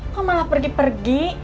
kok malah pergi pergi